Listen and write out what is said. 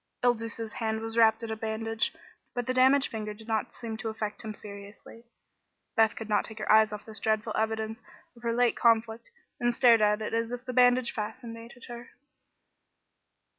Il Duca's hand was wrapped in a bandage, but the damaged finger did not seem to affect him seriously. Beth could not take her eyes off this dreadful evidence of her late conflict, and stared at it as if the bandage fascinated her.